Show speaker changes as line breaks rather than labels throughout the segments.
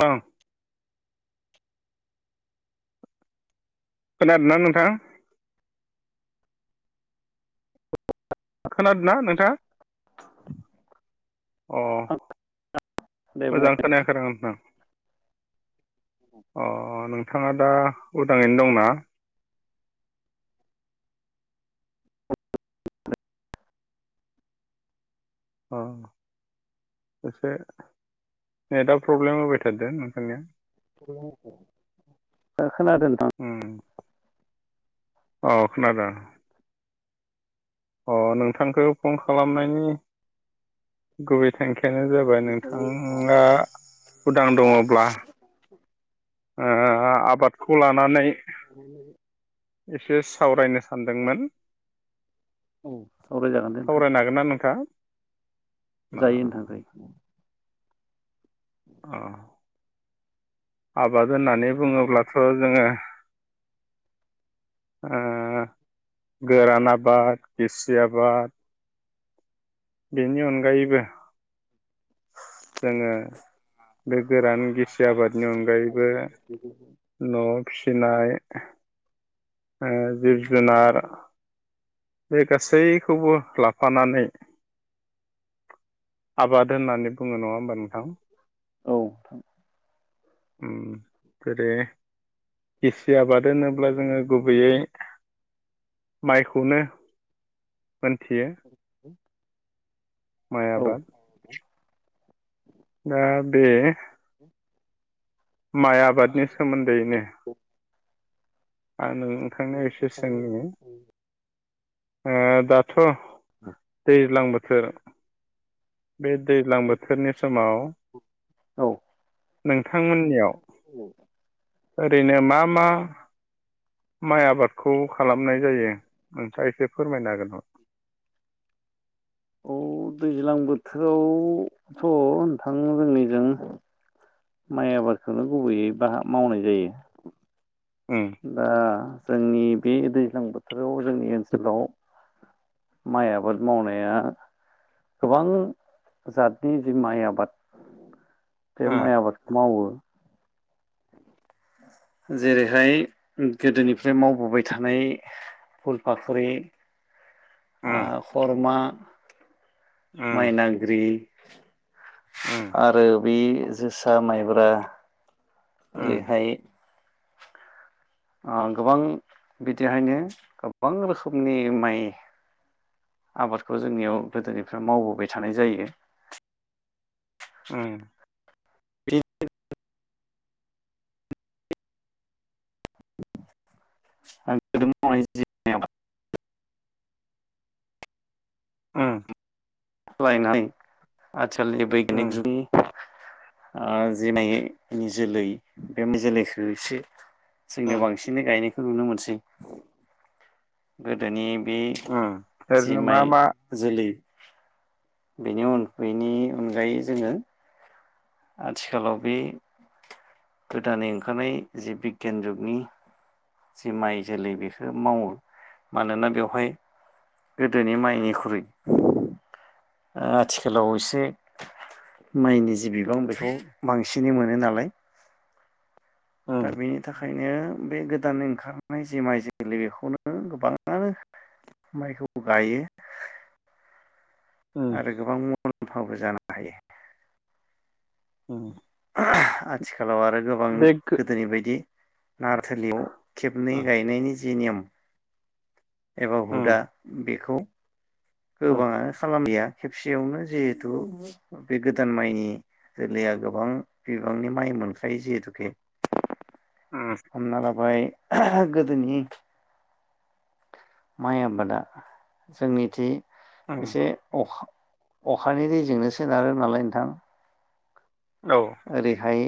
ओं खोनादों ना नोंथां? खोनादोंना नोंथाङा? अ।
[unintelligible]
मोजां खोनायाखै आरो नोंथां। अ नोंथाङा दा उदाङैनो दंना? अ एसे नेटआ प्रब्लेम होबाय थादों नोंथांनिया
[unintelligible] खोनादों नोंथां।
उम अ खोनादो। अ नोंथांखौ फन खालामनायनि गुबै थांखियानो जाबा बाय नोंथाङा उदां दङ'ब्ला ओ आबादखौ लानानै एसे सावरायनो सानदोंमोन।
औ सावरायजागोन दे नोंथां
सावरायनो हागोन ना नोंथां?
जायो नोंथां जायो।
अ आबाद होननानै बुङोब्लाथ' जोङो ओ गोरान आबाद, गिसि आबाद बेनि अनगायैबो जोङो बे गोरान गिसि आबादनि अनगायैबो न'आव फिसिनाय ओ जिब जुनार बे गासैखौबो लाफानानै आबाद होननानै बुङो। नङा होमबा नोंथां?
औ थां।
उम फेरे गिसि आबाद होनोब्ला जोङो गुबैयै माइखौनो मोनथियो। माइ
औ
आबाद। दा बे
[inaudible]
माइ आबादनि सोमोन्दोयैनो आं नोंथांनो एसे सोंनि ओ दाथ' दैज्लां बोथोर बे दैज्लां बोथोरनि समाव
औ
नोंथांमोननियाव ओरैनो मा मा? माइ आबादखौ खालामनाय जायो। नोंथाङा एसे फोरमायनो हागोन नामा?
औ दैज्लां बोथोरावथ' नोंथां जोंनिजों माइ आबादखौनो गुबैयै बाह मावनाय जायो।
उम।
दा जोंनि बे दैज्लां बोथोराव जोंनि ओनसोलाव माइ आबाद मावनाया गोबां जातनि जि माइ आबाद बे
उम
माइ आबादखौ मावो। जेरैहाय गोदोनिफ्राय मावबोबाय थानाय फुल फाखरि आ खरमा,
उम
माइनाग्रि
उम
आरो बे जोसा, माइब्रा
उम
ओरैहाय आ गोबां बिदिहायनो गोबां रोखोमनि माइ आबादखौ जोंनियाव गोदोनिफ्राय मावबोबाय थानाय जायो।
उम।
[unintelligible] [unintelligible]
उम।
[unintelligible] आथिखालनि बैग्यानिक
उम
जुगनि ओ जिनै नि जोलै बे जोलैखो एसे जोंनियाव
उम
बांसिनै गायनायखौ नुनो मोनसै। गोदोनि बे
उम
जि
ओरैनो मा
माइ
मा
जोलै बेनि अन बेनि अनगायै जोङो आथिखालाव बे गोदानै ओंखारनाय जि बिज्ञान जुगनि जि माइ जोलै बेखौ मावो। मानोना बेवहाय गोदोनि माइनिख्रुइ आथिखालाव एसे माइनि जि बिबां बेखौ बांसिनै मोनो नालाय
उम
दा बेनि थाखायनो बे गोदान ओंखारनाय जि माइ जोलै बेखौनो गोबाङानो माइखौ गाइयो
उम
आरो गोबां मुलाम्फाबो जानो हायो।
उम
आथिखालाव आरो गोबां
बे गो
गोदोनि बायदि नारथोलिय' खेबनै
उम
गायनायनि जि नियम - एबा हुदा
उम
बेखौ
उम
गोबाङानो खालामलिया खेबसेयावनो जिहेथु बे गोदान माइनि जोलैया गोबां बिबांनि माइ मोनखायो जिहेथुके
उम।
हमना लाबाय गोदोनि माइ आबादा जोंनिथि
उम
एसे अख-अखानि दैजोंनो सोनारो नालाय नोंथां।
औ।
ओरैहाय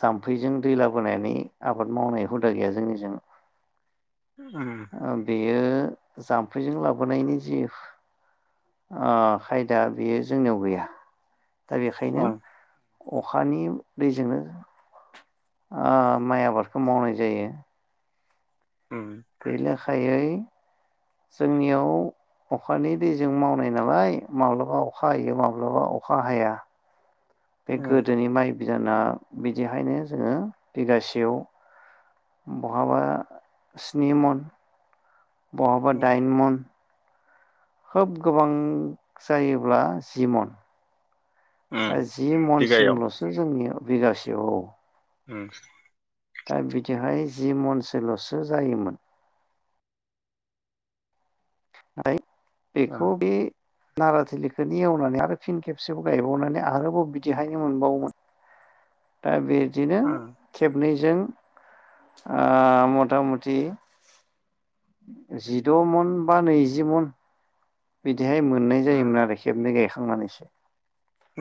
जाम्फैजों दै लाबोनानै आबाद मावनाय हुदा गैया जोंनिजों।
उम।
ओ बेयो जाम्फैजों लाबोनायनि जि ‌ आह खायदा बेयो जोंनियाव गैया दा बेखायनो अखानि दैजोंनो आह माइ आबादखौ मावनाय जायो।
उम।
बे लेखायै जोंनियाव अखानि दैजों मावनाय नालाय माब्लाबा अखा हायो माब्लाबा अखा हाया। बे
उम
गोदोनि माइ बिदाना बिदिहायनो जोङो बिगासेयाव बहाबा स्नि मन, बहाबा
उम
दाइन मन खोब गोबां जायोब्ला जि मन। दा
उम
जि
बिगायाव
मनसिमल'सो जोंनिया बिगासे औ।
उम।
दा बिदिहाय जि मनसोल'सो जायोमोन। [unintelligible] बेखौ बे नारा थिलिखौनो एवनानै आरो फिन खेबसेबाव गायबावनानै आरोबाव बिदिहायनो मोनबावोमोन। दा बिदिनो
उम
खेबनैजों आह मथा मथि जिद' मन बा नैजि मन बिदिहाय मोननाय
उम
जायोमोन आरो खेबनै गायखांनानैसो।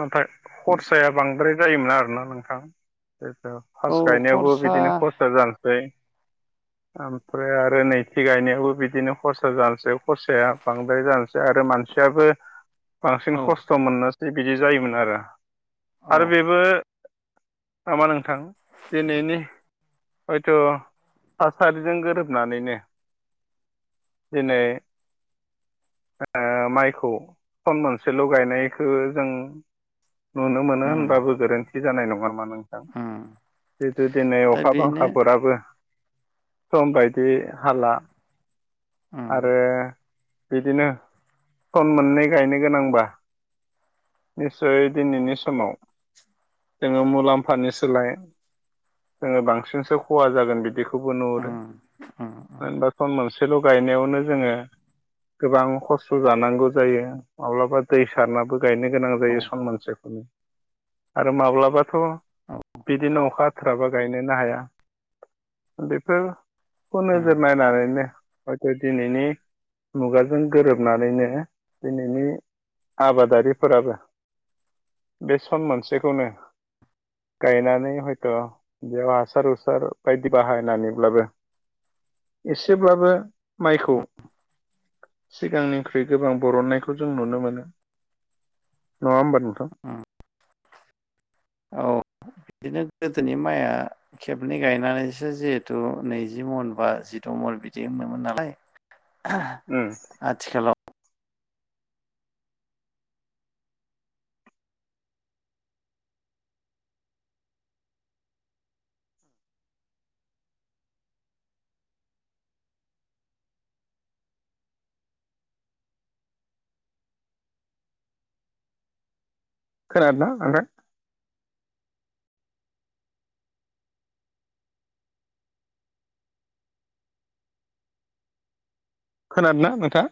नाथाय खरसाया बांद्राय जायोमोन आरोना नोंथां? [unintelligible]
औ
पार्स गायनायावबो
खरसा
बिदिनो खर्सा जानसै ओमफ्राय आरो नैथि गायनायावबो बिदिनो खरसा जानसै। खरसाया बांद्राय जानसै आरो मानसियाबो
औ
बांसिन खस्थ' मोननो बिदि जायोमोन आरो।
औ
आरो बेबो नामा नोंथां दिनैनि हयथ' थासारिजों गोरोबनानैनो दिनै ओ माइखौ फोन मोनसेल' गायनायखो जों नुनो मोनो
उम
होनबाबो गोरोन्थि जानाय नङा नामा नों
उम
जिहेथु दिनै
दा
अखा
बेनो
बांखाफोराबो सम बायदि हाला
उम
आरो बिदिनो खन मोननै गायनो गोनांबा निस्सय दिनैनि समाव जोङो मुलाम्फानि सोलाय जोङो बांसिनसो खहा जागोन बिदिखौ खौबो नुहुरो
उम उम उम
मानो होनबा खन मोनसेल' गायनायावनो जोङो गोबां खस्थ' जानांगौ जायो माब्लाबा दै सारनाबो गायनो गोनां
औ
जायो सन मोनसेखौनो आरो माब्लाबाथ'
औ
बिदिनो अखा खाबा गायनोनो हाया बेफोरखौ
उम
नोजोर नायनानैनो हयथ' दिनैनि मुगाजों गोरोबनानैनो दिनैनि आबादारिफोराबो बे सन मोनसेखौनो गायनानै हयथ' बेयाव हासार हुसार बायदि बाहायनानैब्लाबो एसेब्लाबो माइखौ
उम
सिगांनिख्रुइ गोबां बरननायखौ जों नुनो मोनो। नङा होमबा नोंथां।
उम औ बिदिनो गोदोनि माइआ खेबनै गायनानैसो जिहेथु नैजि मन बा जिद' मन बिदि होनोमोन नालाय [inaudible]
उम
आथिखालाव
खोनादोंना आमफ्राय खोनादों ना नोंथां?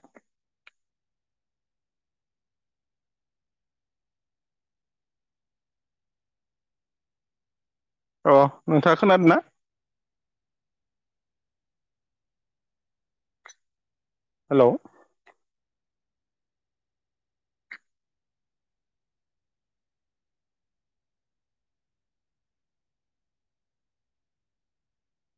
अ नोंथाङा खोनादों ना? हेलौ